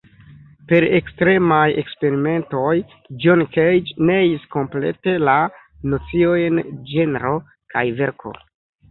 Per ekstremaj eksperimentoj John Cage neis komplete la nociojn ĝenro kaj verko.